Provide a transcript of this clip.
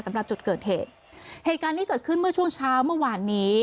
สำหรับจุดเกิดเหตุเหตุการณ์นี้เกิดขึ้นเมื่อช่วงเช้าเมื่อวานนี้